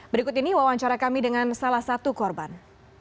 berikut ini wawancara kami dengan salah satu korban